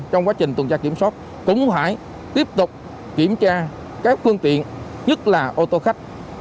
trong quá trình tuần tra kiểm soát cũng phải tiếp tục kiểm tra các phương tiện nhất là ô tô khách